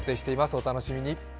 お楽しみに。